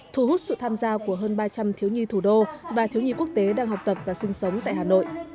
thu hút sự tham gia của hơn ba trăm linh thiếu nhi thủ đô và thiếu nhi quốc tế đang học tập và sinh sống tại hà nội